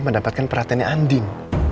mendapatkan perhatiannya andien